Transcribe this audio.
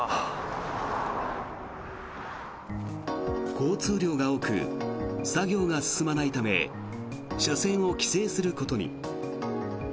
交通量が多く作業が進まないため車線を規制することに。